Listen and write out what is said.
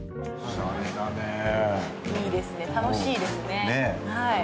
いいですね、楽しいですね。